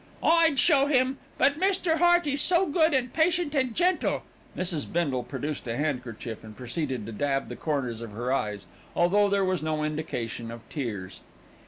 "I'd show him; but Mr. Hearty's so good and patient and gentle." Mrs. Bindle produced a handkerchief, and proceeded to dab the corners of her eyes, although there was no indication of tears.